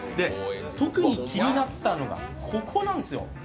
特に気になったのがここなんですよ。